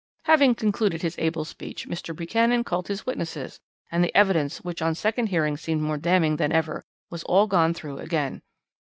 "Having concluded his able speech, Mr. Buchanan called his witnesses, and the evidence, which on second hearing seemed more damning than ever, was all gone through again.